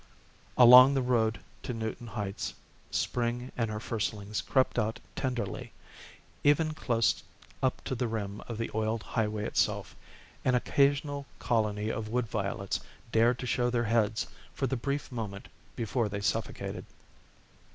Along the road to Newton Heights Spring and her firstlings crept out tenderly. Even close up to the rim of the oiled highway itself, an occasional colony of wood violets dared to show their heads for the brief moment before they suffocated.